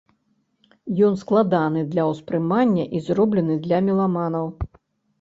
Ён складаны для ўспрымання і зроблены для меламанаў.